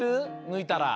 ぬいたら。